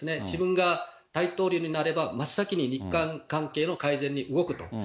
自分が大統領になれば、真っ先に日韓関係の改善に動くと。